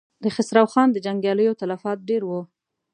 د خسرو خان د جنګياليو تلفات ډېر و.